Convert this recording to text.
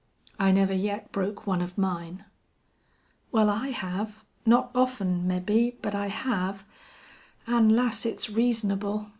"I never yet broke one of mine." "Wal, I hev. Not often, mebbe, but I hev.... An', lass, it's reasonable.